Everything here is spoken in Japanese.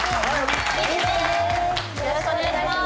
よろしくお願いします。